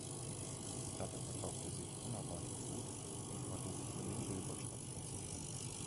Die Platte verkaufte sich unerwartet gut und konnte sich in den Billboard Charts platzieren.